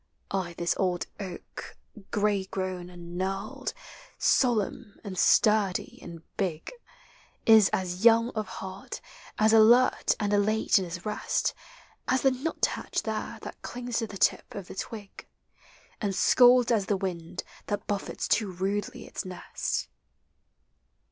Ay, this old oak, gray grown and knurled, Solemn and sturdy and big, Is as young of heart, as alert and elate in his rest, As the nuthatch there that clings to the tip of the twig And scolds at the wind that bullets too rudely its nest.